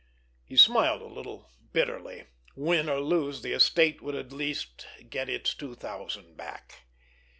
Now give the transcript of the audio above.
He smiled a little bitterly. Win or lose, the estate at least would get its two thousand back!